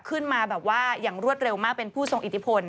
ขึ้นมาแบบว่าอย่างรวดเร็วมากเป็นผู้ทรงอิทธิพล